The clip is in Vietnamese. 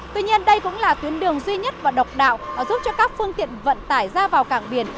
tuy nhiên đây cũng là tuyến đường duy nhất và độc đạo giúp cho các phương tiện vận tải ra vào cảng biển